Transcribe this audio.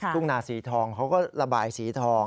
ทุ่งนาสีทองเขาก็ระบายสีทอง